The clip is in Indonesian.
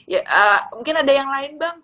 ya mungkin ada yang lain bang